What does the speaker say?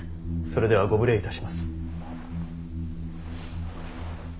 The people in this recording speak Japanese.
それではご無礼いたします。